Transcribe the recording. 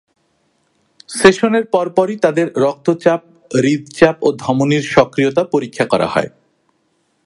সেশনের পরপরই তাঁদের রক্তচাপ, হৃদ্চাপ ও ধমনির সক্রিয়তা পরীক্ষা করা হয়।